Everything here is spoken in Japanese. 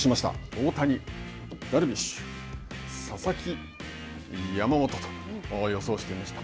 大谷、ダルビッシュ、佐々木、山本と、予想してみました。